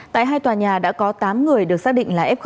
tại hai tòa nhà đã có tám người được xác định là f một